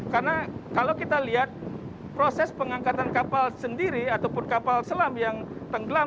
karena kalau kita lihat proses pengangkatan kapal sendiri ataupun kapal selam yang tenggelam